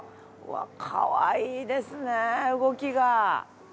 かわいいですね動きが。